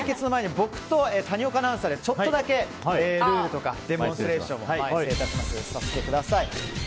皆さんの対決の前に僕と谷岡アナウンサーでルールとかデモンストレーションをさせてください。